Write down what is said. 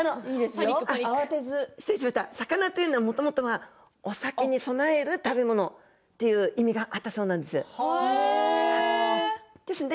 魚というのは、もともとお酒に供える食べ物という意味があったそうなんです。